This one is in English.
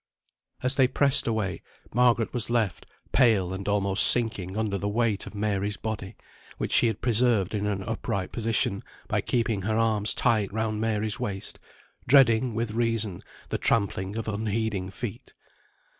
As they pressed away, Margaret was left, pale and almost sinking under the weight of Mary's body, which she had preserved in an upright position by keeping her arms tight round Mary's waist, dreading, with reason, the trampling of unheeding feet.